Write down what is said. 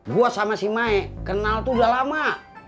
gue sama cimae kenal tuh udah lama